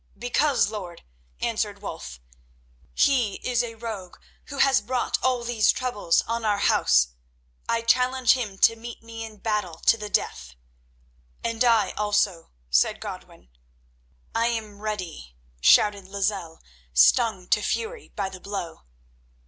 "Because, lord," answered Wulf, "he is a rogue who has brought all these troubles on our house. I challenge him to meet me in battle to the death." "And I also," said Godwin. "I am ready," shouted Lozelle, stung to fury by the blow.